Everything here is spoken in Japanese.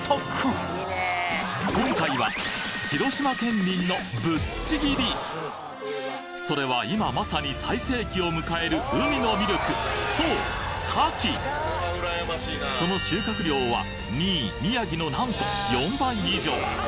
今回は広島県民のぶっちぎりそれは今まさに最盛期を迎える海のミルクそうその収穫量は２位・宮城のなんと４倍以上！